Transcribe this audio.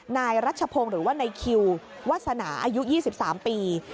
นายรัชพงศ์หรือว่านายคิววาสนาอายุ๒๓ปี